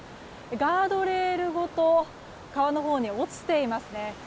ガードレールごと川のほうに落ちていますね。